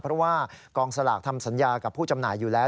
เพราะว่ากองสลากทำสัญญากับผู้จำหน่ายอยู่แล้ว